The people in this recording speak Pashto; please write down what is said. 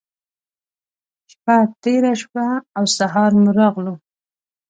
شپّه تېره شوه او سهار مو راغلو.